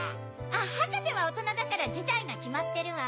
あっ博士は大人だから辞退が決まってるわ。